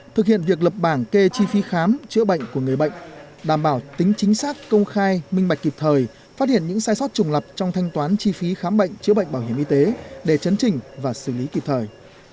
thực hiện việc lập bảng kê chi phí khám chữa bệnh của người bệnh đảm bảo tính chính xác công khai minh bạch kịp thời phát hiện những sai sót trùng lập trong thanh toán chi phí khám bệnh chữa bệnh bảo hiểm y tế để chấn trình và xử lý kịp thời